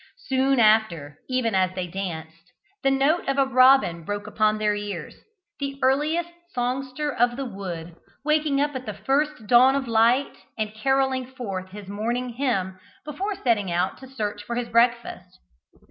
Soon after, even as they danced, the note of a robin broke upon their ears: the earliest songster of the wood, waking up at the first dawn of light, and carolling forth his morning hymn before setting out to search for his breakfast.